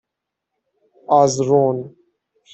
آزرون